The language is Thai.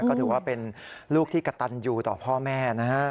ก็ถือว่าเป็นลูกที่กระตันอยู่ต่อพ่อแม่นะฮะ